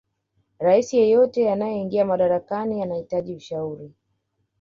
raisi yeyote anayeingia madarakani anahitaji ushauri